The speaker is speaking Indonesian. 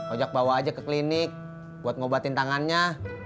ojek bawa aja ke klinik buat ngobatin tangannya